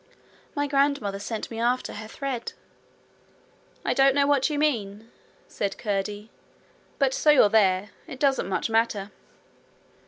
'My grandmother sent me after her thread.' 'I don't know what you mean,' said Curdie; 'but so you're there, it doesn't much matter.'